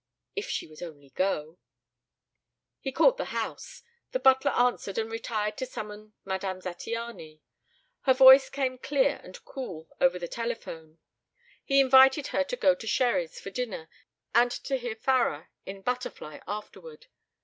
If she would only go! He called the house. The butler answered and retired to summon Madame Zattiany. Her voice came clear and cool over the telephone. He invited her to go to Sherry's for dinner and to hear Farrar in Butterfly afterward.